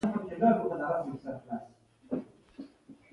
سهار لمونځ وکړه چاي وڅښه ورځني کار په پوره انرژي شروع کړه